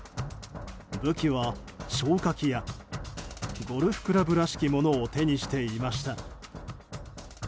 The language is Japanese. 武器は消火器やゴルフクラブらしきものを手にしていました。